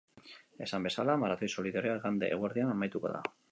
Esan bezala, maratoi solidarioa igande eguerdian amaituko da.